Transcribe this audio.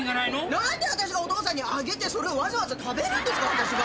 何で私がお父さんにあげてそれをわざわざ食べるんですか？